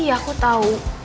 iya aku tahu